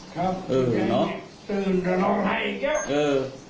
ครับพี่ใหญ่ตื่นจะลองไปอีกแล้ว